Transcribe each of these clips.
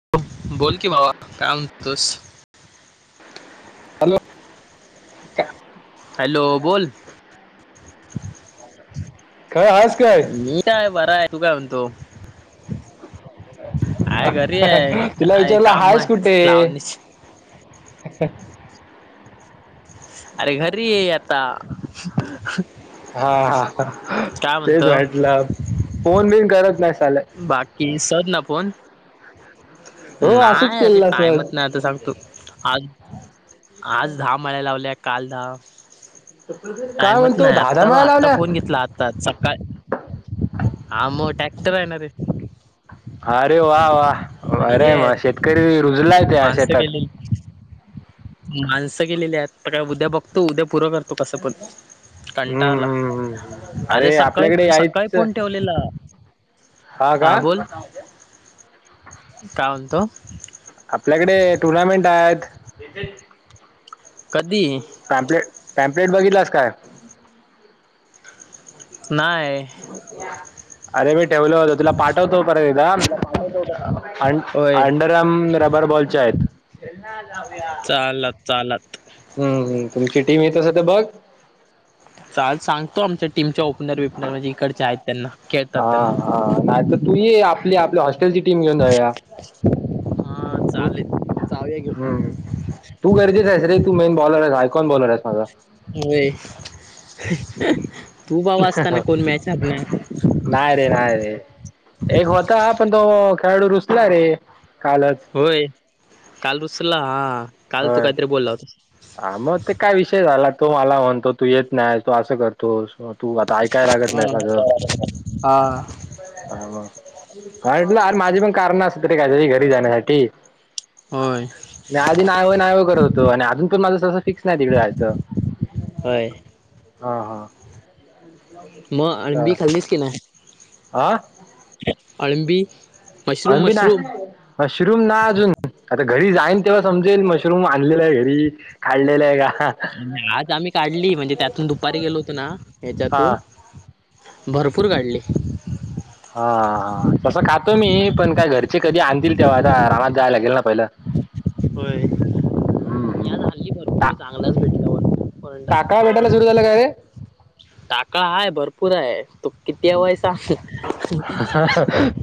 हो बोल की बाबा काय म्हणत तुस. हॅलो का. हॅलो बोल. काय हायस काय मी काय बर आहे तू काय म्हणतो. आहे घरी आहे तुला काय विचारलं काम हायच आहेत कुठे. लावणीच [inaudible] अरे घरी आहे आता. हा हा काय तेच म्हणतो वाटलं फोन बिन करत नाही. साले बाकी सद ना फोन. हो असंच नाही अरे केलेलं टाईमच नाही सहज आता सांगतो आज. आज दहा मळ्या लावल्या काल दहा. काय टाइमच म्हणतो नाही दहा दहा आत्ता ब माळ्या आत्ता लावल्या फोन घेतला आत्ता. आ मग टॅक्टर आहे ना रे. अरे वा वाह आणि हे अरे म आहेत शेतकरी रुजलाय त्या माणसं शेतात. गेलेली माणसं केलेली आहेत तर काय उद्या बघतो उद्या पुूरं करत. तू कसं पण कंटा हम्म आला. हम्म हम्म. अरे आपल्याकडे सकाळी सकाळी फोन ठेवलेला. ह का. काल तो. आपल्याकडे टुर्नामेंट आहेत. कधी पॅम्प्ले टॅम्प्लेट बघितलास काय. नाहीय. अरे मी ठेवलं होत तुला पाठवतो परत तदा. अं होय अंडरम रबर बॉलच्या आहेत. चालत चालत हम्म हम् तुमची टीम येत अस ते बघ. चाल सांगतो आमच्या टीमच्या ओपनर बेपनर म्हणजे इकडच्या आहेत. त्यांना खेळतात हा त्यांना हा नाही तर तूही आपली आपल्या हॉस्टेलची टीम घेऊन जाऊया हा हम् चालेल जाऊया घेऊन हम्म. तू गरजेच आहेस रे तू मेन बॉलर आहेस आयकॉन बॉलर आहेस माझा. होय तू बाऊ असताना कोण मॅच हरणार. नाय रे नाय रे एक होता पण तो खेळाडू रुसलाय रे. कालच. होय काल रुसरला हा काल तू कायतरी बोलला होता. हा म ते काय विषय झाला तो मला म्हणतो तू येत नाय तू असं करतोस म्ह तू आता ऐकाय लागत हा नाय अग हा हा म हाय म्हणलं आर माझी पण कारण असतात रे कायतरी घरी जाण्यासाठी होय मी आधी नाय व्हय नाय व्हय करत होतो आणि अजून पण माझ सहसा फिक्स नाय तिकड जायचं होय हा हा म अलंबी खाल्लीस की नाय. हा अलंबी अलंबी नाय मशरूम नाय अजून आता घरी जाईन तेव्हा समजेल मशरूम आणलेला हाय घरी काढलेलाये का. हा आणि आज आम्ही काढली म्हणजे त्यातून दुपारी गेलो होतो ना हा हच्यातून. भरपूर काढले. तो मी पण काय घरचे कधी आणतील तेव्हा आता आमात जायला लागेल ना पहिलं. होय. हम्म हम्म. टा पूर चांगलाच भेट टाकळा भेटायला सुरू झाला काय रे. टाकळा हाय भरपूर हाय तू किती हाय वयसा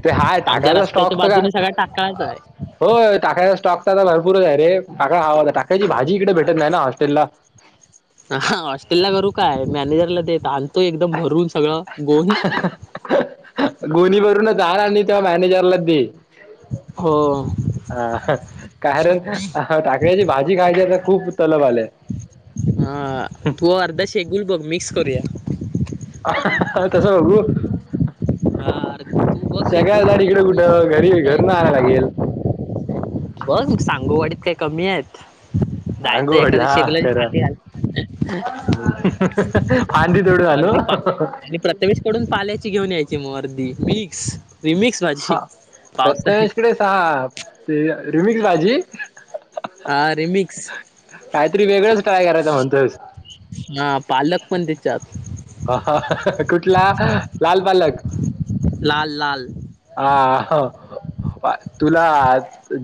ते हाय आमच्या टाकळ्याचा रस्त्याच्या स्टॉक तर का बाजूने सगळा टाकलाच हाय. होय टाकळ्याचा स्टॉक [unintelligible] भरपूरच हाय रे टाकळा हवा होता टाकायची भाजी इकडे भेटत नाय ना हॉस्टेलला. ह हॉस्टेल ला करू काय मॅनेजरला देत आण ते एकदम भरून सगळं गोन गोन्ही भरून धार आणील तेव्हा मॅनेजरला दे हो. हा कारण टाकळ्याची भाजी खायची आता खूप तलब आलेय. [inaudible] हां तू अर्ध शेगुल बग मिक्स करूया. तस बघू हा, अर- तू बघ शेगुल सगळ्या साट ती इकडं मी कुठं आणतो घरी घरणं आणवा लागेल. बस सांगोवाडीत काय कमी येत. [inaudible] आंगवाडी हा खरा घाल फांदी तोडून आणु. अर्धी पा आणि प्रथमेश कडून पाल्याची घेऊन यायची मग अर्दी मी हा पावसाळी प्रथमेश कडे सहा ते रिमिक्स भाजी हा रिमिक्स कायतरी वेगळंच ट्राय करायचां म्हणतोयस. मा पालक पण त्याच्यात ह कुठला लाल पालक लाल लाल हा तुला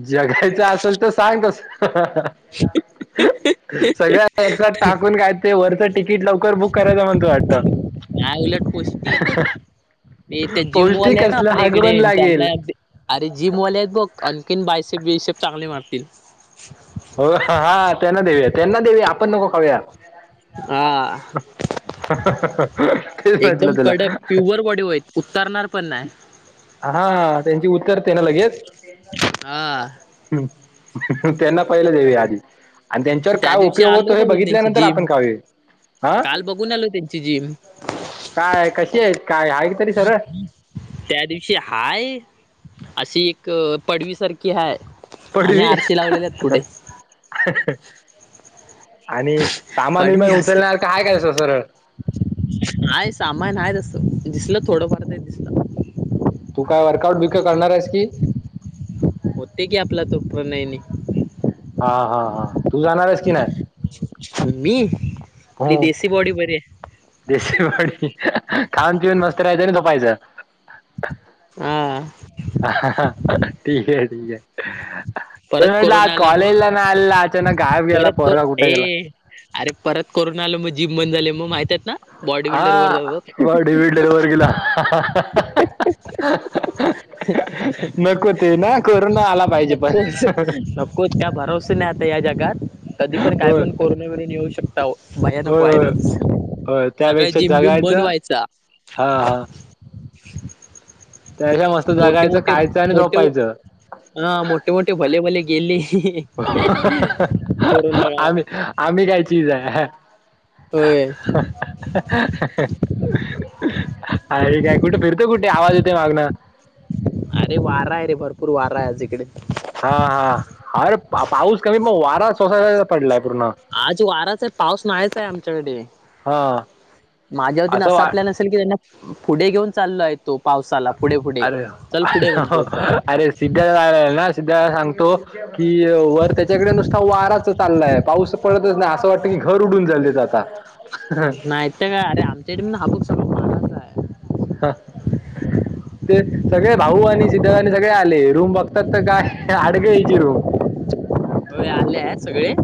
जगायचं असल त सांग तस [unintelligible] सगळ्या एकसात टाकून काय ते वरचं तिकीट लवकर बुक करायचं म्हणतो वाट नाय उलट पौष्टिक ये त्या जिमवाले पौष्टिक हाय ना असलं आपल्या इकडे हगवण लागेल त्यांना दे अरे जिमवाले आहेत बघ आणखीन बाय--. बीशेब चांगले मारतील. हो हा त्यांना देऊया त्यांना देऊया आपण नको खाऊूया. हा. तेचं म्हंटल एकदम तुला. कडक प्युअर बॉडी होईत उतरणार पण नाही हा त्यांची उतरते ना लगेच? हा. त्यांना पहिलं देऊया आधी. आणि त्यांच्यावर त्या काय दिवशी उपयोग होतो आलो हे बघून त्यांची बघितल्यानंतर आपण जिम खावे. आ काल बघून आलो त्यांची जिम काय कशी आहेस काय हाय त्या दिवशी हाय अशी एक पडवी सारखी हाय आणि पडवी आरसे लावलेले आहेत पुढे. आणि सामान पाडवी विमान असतं उचलणार काय हाय का असं सरळ? आहे सामान आहे तसं दिसलं थोडंफार दिसलं. तू काय वर्कआउट बिरकाऊट करणार आहेस की होते की आपला तो प्रणयने. हा हा हा तू जाणारेस की नाही? मी, हो ही देसी बॉडी बरी हाय. देशी बॉडी खाऊन पिऊन मस्त राहायचं, आणि झोपायचं. हा ह ठीक ये ठीक ये. तरी परत म्हंटल आज कोरोना आला मग कॉलेजला नाय आलेला आज. परत को ए, अरे परत कोरोना आला म जिम बंद झाले, म माहीतीयेत ना? बॉडी बिल्डर वर हा, जातात बॉडी बिल्डर वर गेला. [unintelligible] स नको ते ना कोरोना आला पाहिजे पण नकोच नकोच काय भरोसा नाही आता या जगात. कधी पण काय होय होय पण कोरोना बिरोना येऊ शकता भयानक होय व्हायरल होय सगळं त्यापेक्षा जिम बिम बंद जगायचं व्हायचा. हा हा. [inaudible] त्यापेक्षा मस्त मोठे जगायचं मोठे खायचं आणि मोठऊ झोपायचं हा मोठे मोठे भले भले गेले कोरोना काळात आम्ही आम्ही काय चीज हाय. होय [unintelligible] आरे काय कुठे फिरतो कुठे आवाज येतोयं मागनं. अरे वारा आहे रे भरपूर वारा आहे आज इकडे हा हा अरे पा- पाऊस [unintelligible] आज वाराच हे पाऊस नाहीचाय आमच्याकडे. हा माझ्या वतीनं असं असा वा प्लॅन असेल कि त्यांना पुढे घेऊन चाललं आहेत. अरे अरे म्हणतो होता अरे सिद्धा ना सिद्धाला सांग. तो कि वर त्याच्याकडे नुसता वाराच चाललाय पाऊस पडतच नाय. असं वाटतं की घर उडून रायलेत आता. नाहीत काय आरे आमच्या इथ हा. ते सगळे भाऊ आणि सिद्धबा आणि सगळे आले रूम बघतात तर काय आडगळीची रूम [inaudible] होय आल्यात सगळे?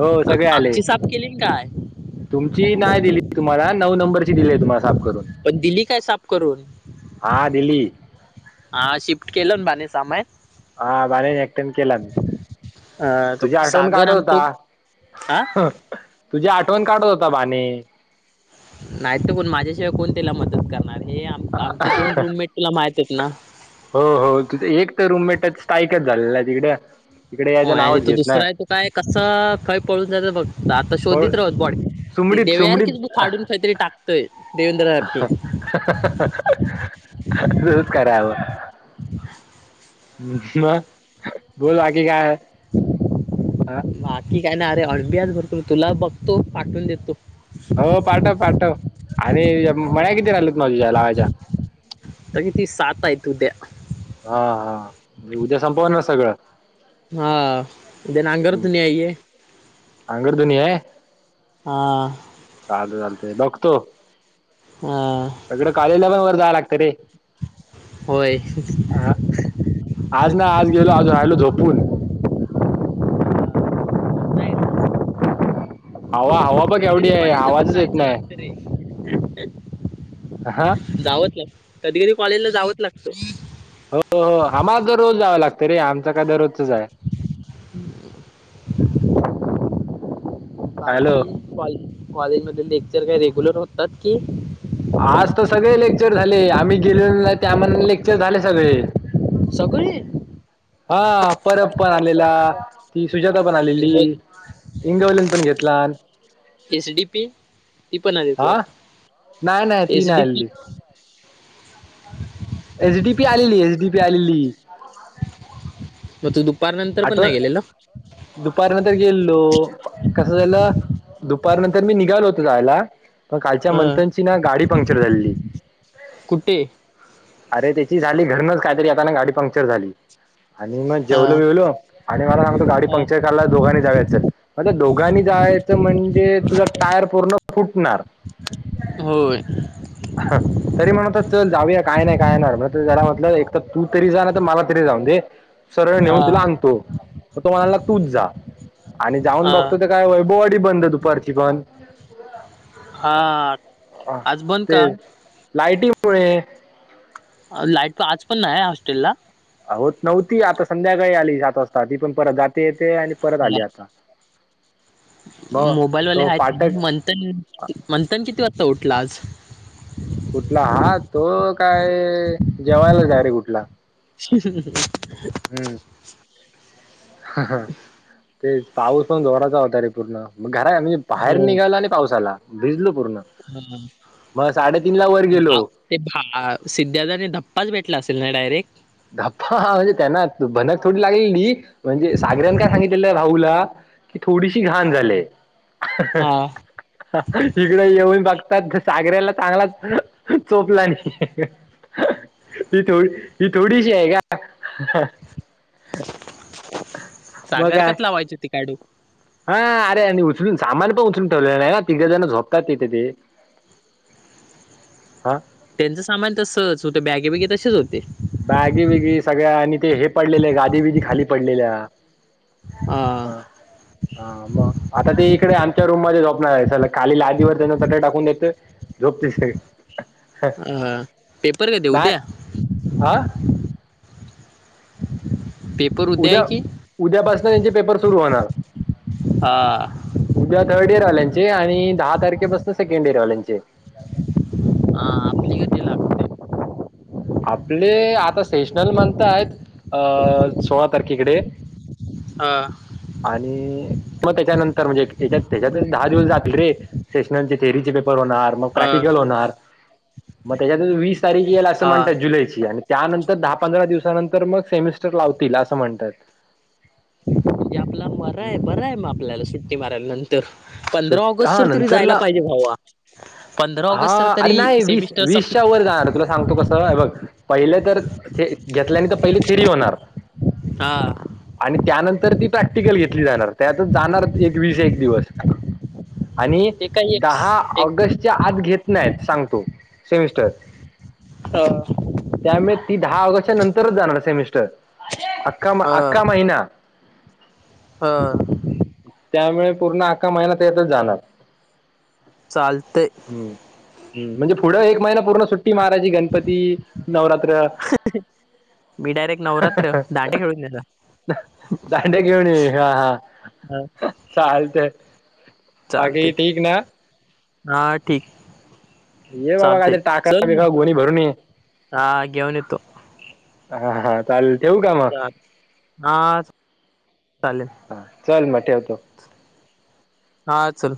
हो सगळे आले, आमची साफ केली ना काय तुमची नाही दिली. तुम्हाला नऊ नंबरची दिलीय, तुम्हाला साफ. करून पण दिली काय साफ करून? हा दिली हा शिफ्ट केलं न बा ने सामाय. हा बानेने एकट्यानं केलानं. अ तो तुझी आठवण सागर काढतं आमचं हा होता. तुझी आठवण काढत होता बाने. नाही त कोण माझ्याशिवाय कोण त्याला मदत कर आरे हे, आमं आमचे दोन रूममेट तुला माहित हेत ना? हो हो त एक तर रूममेटच स्थाईकच झाले ना तिकड होय आणि तू दुसरा आहे तो काय कसा काय पळून जायच बघ आता पण शोधीत राहत कॉड ते सुमडीत देवयारकी सुमडीत च बुक फाडून काहीतरी टाकतोय देवेंद्र सारखी तूच कररा आ [unintelligible] म बोल आखि काय आहे. आ! बाकी काय ना अरे ऑ डबी आज भरपूर तुला बघतो पाठवून देतो हो पाठव, पाठव आणि मळ्या किती राहिल्या त म तुज्या लावायच्या. आता किती. पाय तु उदया हा हा उद्या संपवा ना सगळं हा ते न हम्म अंगरातून न्याये अंगरधुनी हे हा. चालत चालत बघतो हा सगडं कालेजला पण वर जावं लागत रे. होय. हा आज ना आज गेलो आज राहिलो झोपून हवा. हवा बघ कधी एवढी कधी आहे कॉलेजला पण आवाजच येत जायचं नाही लागतं रे. हा जावच लागत कधी, कधी, कॉलेजला जावच लागत. हो हो आम्हाला दर रोज जाव लागतं रे आमचा काय दररोज [unintelligible] हॅलो बाकी कॉ कॉलेज मध लेक्चर काय रेग्युलर होतात कि आज तर सगळे लेक्चर झाले आम्ही गेलोलो नही त्या म्हणले लेक्चर झाले सगळे. सगळी? हा परब पण आलेला ती सुजाता पण आलेली. बोल. हिंगवलेन पण घेतलान एसडीपी ती पण आली होती हा नाही नाही वाटत ती नाही एसडीपी आलेली [inaudible] एच डी पी आलेली एच डी पी आलेली [inaudible] पण आठव नाही गेलेला दुपारनंतर गेललो कस झालं दुप पार नंतर मी निघालो होतो जायला पण कालच्या हा मंथनची ना गाडी पंक्चर झालेली. कुठे अरे त्याची झाली घरणच कायतरी येताना गाडी पंक्चर झाली, आणि मग हा जेव हेलो हेलो आणि मला सांगतो गाडी हा पंक्चर कांयला दोघांनी जायचं मतल दोघांनी जायचं म्हणजे ते तुझा टायर पूर्ण फुटणार. होय! हं तरी म्हणत होता, चल जाऊया काय नाही, काय नही होणार, त्याला म्हटलं एक त तू तरी जा नही त मला तरी जाऊन दे! सरळ नेऊन हा तुला आणतो तर तो म्हणाला तूच जा? आणि जाऊन हा बघतो तर काय वैभवाडी बंद दुपारची पण हा आज बंद का तेच लाइटीमुळे लाइट आज पण नाही हॉस्टेल ला. होत नव्हती, आता संध्याकाळी आली सात वाजता, ती पण परत जाते येते, आणि परत आली आता. मग मोबाईलवाले तो आहेत ना फाटक मंथन, मंथन किती वाजता उठला आज. ऊठला हा तो काय जेवायलाच डायरेक्ट ऊठला. [unintelligible] हूं! हं हं ते पाऊस पण जोराचा होता रे पूर्ण घरा म्हणजे बाहेर निघाला आणि पाऊस आला पावसाला भिजलो पूर्ण मग साडेतीन ला वर ह भा गेलो ते भा सिद्धार्थनी धप्पाच भेटला अस तिना डारेक्ट धप्पा हा म्हणजे त्यांना भनक थोडी लागलेली म्हणजे सागरन काय सांगितलेलं भाहूला कि थोडीशी घाण झालेय हा इकडे येऊन बघ सागऱ्याला चांगला चोपला नाही मी थोडी. ही थोडीशी आहे का. मग काय सागरकत लावायचीती काडू. हा अरे आणि उचलून सामान पण उचलून ठेवलेलं नाही ना तिघं जण झोपतात तिथे ते. हा. त्यांचं सामान तसच होतं बॅगे बगे तसेच होते. बॅगी बगी सगळ्या आणि ते हे पडलेले गादी बदी खाली पडलेल्या हा हा मग आता ते इकडे आ त्या रूम मध्ये झोपणार चला खाली लादिवर त्यांना चटई टाकून देत झोपती सगळे. अ पेपर कधी उद्या आं! पेपर उद्या आहे की? उद्यापासून त्यांचे पेपर सुरू होणार हा उद्या थर्ड इयर वांल्याचे आणि दहा तारखेपसून सेकंड इयरवाल्यांचे हा आपली कधी हम्म हम् लागते आपले आता सेशनल म्हणताय अ सोळा तारखेकडे हा आणि मग त्याच्यानंतर म्हणजेच्यात त्याच्यात दहा दिवस जातले रे सेशनचे थेरीचे हो मग हा प्रॅक्टिकल होणार मग त्याच्यात वीस तारीख येल असं हा म्हणतात जुलै ची आणि. त्यानंतर दहा पंधरा दिवसानंतर मग सेमिस्टर लावतील असं म्हणतात म्हणजे आपला मरय हम्म बर आहे मग आपल्याला सुट्टी मारायला नंतर. तर पंधरा सुट ऑगस्ट हा सर तरी जायला नंतरला पाहिजे भावा. पंधरा ऑगस्ट तर हा अरे तरी नाही वीस सेमिस्टर सप वीसच्या वर जाणार तुला सांगतो कसं बघ पहिलं तर ते. घेतल्याने तर पहिले थेरी होणार हा आणि त्यानंतर. तर ती प्रॅक्टिकल घेतली जाणार त्यात जाणार एक वीस एक दिवस. आणि ते काही दहा एक एक ऑगस्ट. आज घेत नाही सांगतो सेमिस्टर अ, त्यामुळे ती दहा ऑगस्टच्या नंतरच जाणार सेमिस्टर अक्का म अका महिना हा त्यामुळे पूर्ण आका महिन्यात येतच जाणार चाल हम हम म्हणजे पुढं एक महिना पूर्ण सुट्टी महाराजी गणपती नवरात [unintelligible] मी डायरेक्ट नवरात्र दांडे खेळून त्याला चालतय बाकी चालतंय ठीक ना हा ठीक ये बाबा काय ते चालतंय टाक चल मग बिकळ गोणी भरून ये हा घेऊन येतो हा हा ल हा चालेल हा चल म ठेवतो हा चल